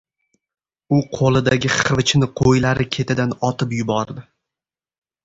U qo‘lidagi xivichni qo‘ylari ketidan otib yubordi.